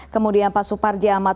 kemudian pak suparji ahmad